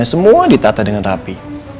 semua ditata dengan rapi